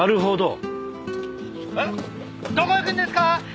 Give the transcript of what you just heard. えっどこ行くんですか？